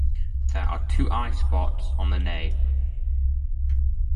There are two eyespots on the nape.